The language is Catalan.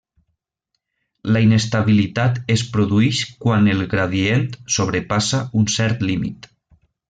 La inestabilitat es produïx quan el gradient sobrepassa un cert límit.